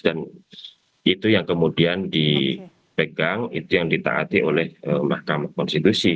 dan itu yang kemudian dipegang itu yang ditaati oleh mahkamah konstitusi